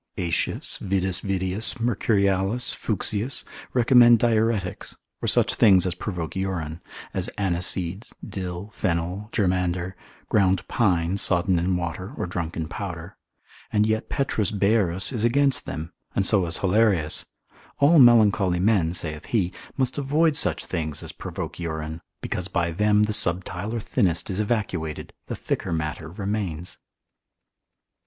Aetius, Vidus Vidius, Mercurialis, Fuchsius, recommend diuretics, or such things as provoke urine, as aniseeds, dill, fennel, germander, ground pine, sodden in water, or drunk in powder: and yet P. Bayerus is against them: and so is Hollerius; All melancholy men (saith he) must avoid such things as provoke urine, because by them the subtile or thinnest is evacuated, the thicker matter remains.